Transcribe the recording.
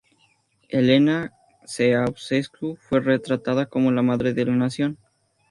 Elena Ceaușescu fue retratada como la "Madre de la Nación".